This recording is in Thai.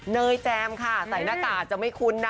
เนยแจมค่ะใส่หน้ากากจะไม่คุ้นนะ